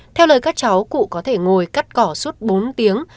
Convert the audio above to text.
theo lời các cháu cụ có thể ngồi cắt cỏ suốt bốn tiếng